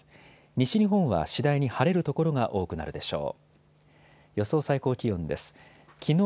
西日本は次第に晴れる所が多くなるでしょう。